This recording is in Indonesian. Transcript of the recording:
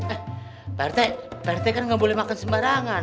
eh pak rete pak rete kan gak boleh makan sembarangan